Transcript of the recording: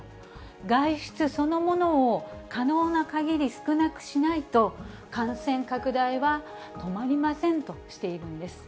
外出そのものを可能なかぎり少なくしないと、感染拡大は止まりませんとしているんです。